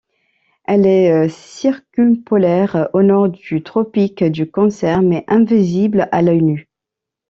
Elle est circumpolaire au nord du Tropique du Cancer, mais invisible à l'œil nu.